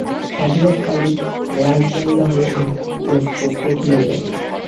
হযরত Khalid রাযিয়াল্লাহু আনহু-এর চক্ষু খুলে যায়।